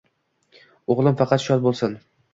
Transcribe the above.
«O’g’lim faqat shod bo’lsin.